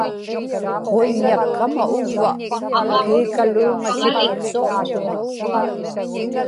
quiññakkama-uvva kiikaluuŋasipiksuaqtuŋa